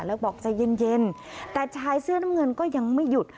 แล้วบอกใจเย็นแต่ชายเสื้อน้ำเงินก็ยังไม่หยุด